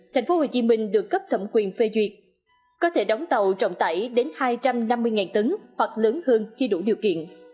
tp hcm được cấp thẩm quyền phê duyệt có thể đóng tàu trọng tải đến hai trăm năm mươi tấn hoặc lớn hơn khi đủ điều kiện